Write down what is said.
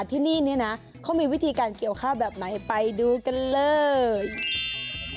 ที่นี่เนี่ยนะเขามีวิธีการเกี่ยวข้าวแบบไหนไปดูกันเลย